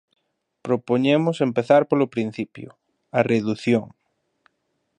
Propoñemos empezar polo principio, a redución.